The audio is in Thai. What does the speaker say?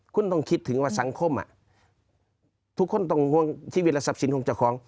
คุณต้องคิดถึงว่าสังคมทุกคนต้องห่วงชีวิตและทรัพย์สินของเจ้าของ